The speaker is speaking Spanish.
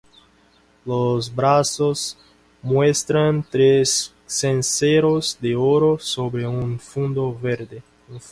Los brazos muestran tres cencerros de oro sobre un fondo verde.